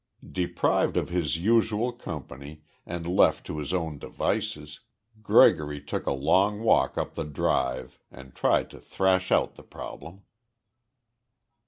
Deprived of his usual company and left to his own devices, Gregory took a long walk up the Drive and tried to thrash out the problem.